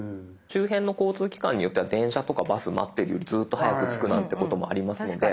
周辺の交通機関によっては電車とかバス待ってるよりずっと早く着くなんてこともありますので。